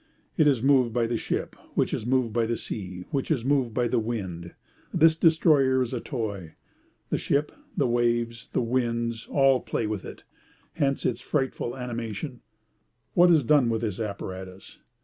It is moved by the ship, which is moved by the sea, which is moved by the wind. This destroyer is a toy. The ship, the waves, the winds, all play with it, hence its frightful animation. What is to be done with this apparatus?